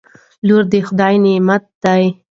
لور دخدای نعمت ده